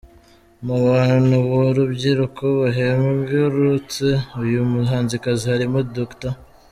Mu bantu b'urubyiruko bahembwe, uretse uyu muhanzikazi harimo Dr.